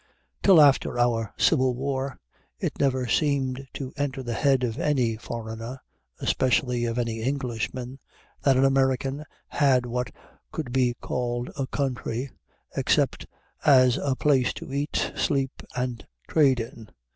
Till after our Civil War it never seemed to enter the head of any foreigner, especially of any Englishman, that an American had what could be called a country, except as a place to eat, sleep, and trade in.